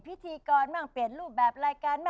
พิธีกรเปลี่ยนรูปแบบรายการ